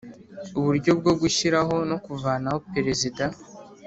Uburyo bwo gushyiraho no kuvanaho Perezida